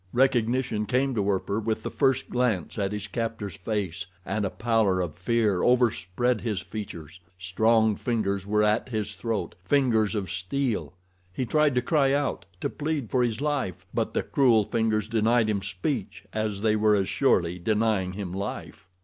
Recognition came to Werper with the first glance at his captor's face, and a pallor of fear overspread his features. Strong fingers were at his throat, fingers of steel. He tried to cry out, to plead for his life; but the cruel fingers denied him speech, as they were as surely denying him life.